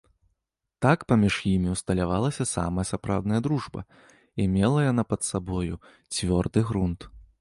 Так паміж імі ўсталявалася самая сапраўдная дружба, і мела яна пад сабою цвёрды грунт.